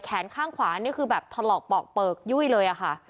ข้างขวานี่คือแบบถลอกปอกเปลือกยุ่ยเลยอะค่ะ